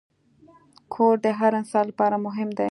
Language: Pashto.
کور د هر انسان لپاره مهم دی.